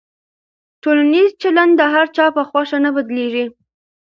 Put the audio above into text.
ټولنیز چلند د هر چا په خوښه نه بدلېږي.